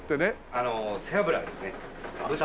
あの背脂ですね豚の。